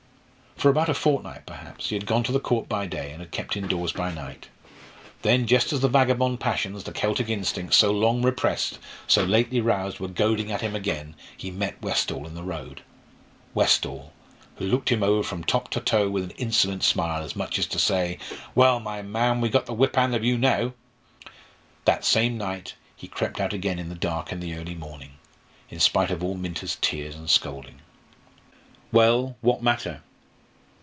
For about a fortnight, perhaps, he had gone to the Court by day, and had kept indoors by night. Then, just as the vagabond passions, the Celtic instincts, so long repressed, so lately roused, were goading at him again, he met Westall in the road Westall, who looked him over from top to toe with an insolent smile, as much as to say, "Well, my man, we've got the whip hand of you now!" That same night he crept out again in the dark and the early morning, in spite of all Minta's tears and scolding. Well, what matter?